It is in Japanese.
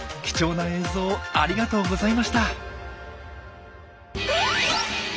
貴重な映像ありがとうございました。